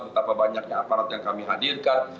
betapa banyaknya aparat yang kami hadirkan